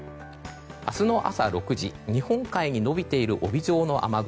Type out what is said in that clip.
明日の朝６時、日本海に延びている帯状の雨雲